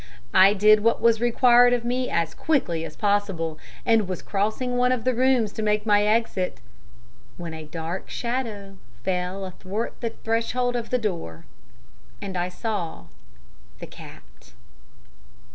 "I did what was required of me as quickly as possible, and was crossing one of the rooms to make my exit, when a dark shadow fell athwart the threshold of the door, and I saw the cat.